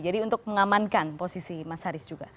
jadi untuk mengamankan posisi masyarakat